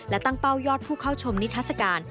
และตั้งเป้ายอดผู้เข้าชมนิทัศกาล